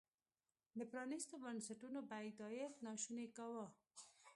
د پرانیستو بنسټونو پیدایښت ناشونی کاوه.